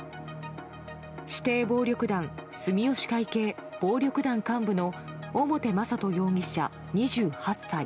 指定暴力団住吉会系暴力団幹部の表雅人容疑者、２８歳。